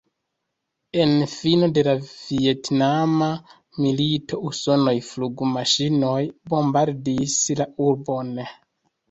En fino de la Vjetnama milito usonaj flugmaŝinoj bombardis la urbon.